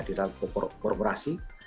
di dalam korporasi